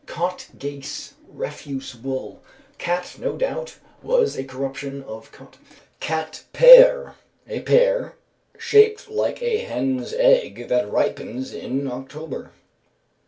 "Cot gase" (refuse wool). "Cat" no doubt was a corruption of "cot." Cat pear. A pear, shaped like a hen's egg, that ripens in October.